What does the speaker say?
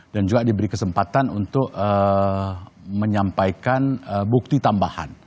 dan juga diberi kesempatan untuk menyampaikan bukti tambahan